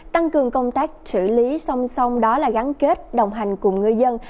tăng cường công tác xử lý song song đó là gắn kết đồng hành cùng ngư dân